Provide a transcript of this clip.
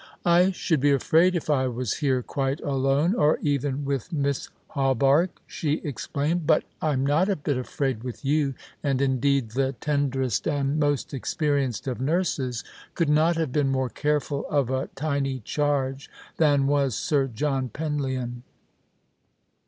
" I should be afraid if I was here quite alone, or even with Miss Hawberk," she explained ;" but I'm not a bit afraid with you ;" and indeed the tenderest and most experienced of nurses could not have been more careful of a tiny charge than was Sir John Penlyon.